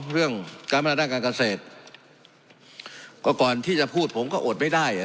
เรื่องการพนันด้านการเกษตรก็ก่อนที่จะพูดผมก็อดไม่ได้อ่ะ